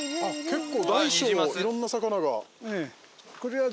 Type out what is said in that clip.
結構大小いろんな魚が。ええ。